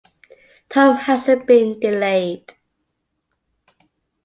Tom hasn't been delayed.